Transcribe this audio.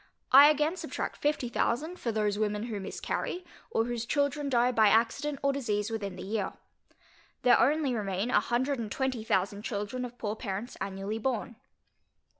I again subtract fifty thousand, for those women who miscarry, or whose children die by accident or disease within the year. There only remain a hundred and twenty thousand children of poor parents annually born.